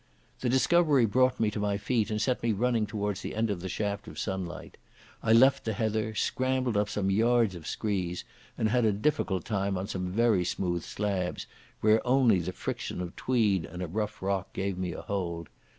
The discovery brought me to my feet, and set me running towards the end of the shaft of sunlight. I left the heather, scrambled up some yards of screes, and had a difficult time on some very smooth slabs, where only the friction of tweed and rough rock gave me a hold.